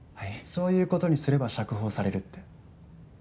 そういうことにすれば釈放されるって。